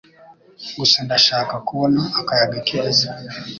Gusa ndashaka kubona akayaga keza